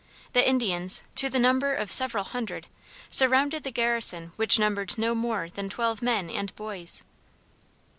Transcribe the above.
The Indians, to the number of several hundred, surrounded the garrison which numbered no more than twelve men and boys.